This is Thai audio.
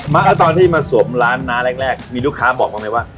ตอนที่มาสวมร้านน้าแรกมีลูกค้าบอกบ้างไหมว่า